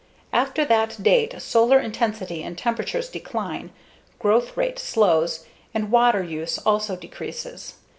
After that date, solar intensity and temperatures decline, growth rate slows, and water use also decreases.